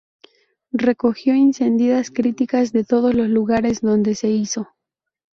Recogió encendidas críticas de todos los lugares donde se hizo.